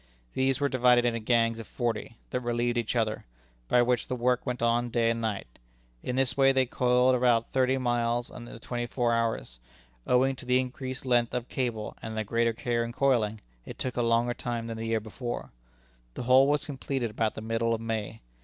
These were divided into gangs of forty, that relieved each other, by which the work went on day and night. In this way they coiled about thirty miles in the twenty four hours. Owing to the increased length of cable, and the greater care in coiling, it took a longer time than the year before. The whole was completed about the middle of May.